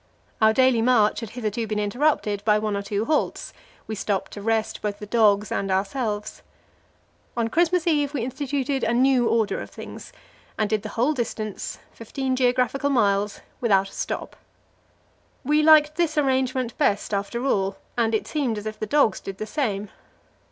Our daily march had hitherto been interrupted by one or two halts; we stopped to rest both the dogs and ourselves. On Christmas Eve we instituted a new order of things, and did the whole distance fifteen geographical miles without a stop. We liked this arrangement best, after all, and it seemed as if the dogs did the same.